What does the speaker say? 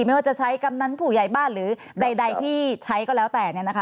ไม่ว่าจะใช้กำนันผู้ใหญ่บ้านหรือใดที่ใช้ก็แล้วแต่